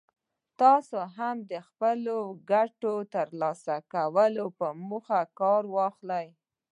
تاسې هم د خپلو ګټو ترلاسه کولو په موخه کار واخلئ.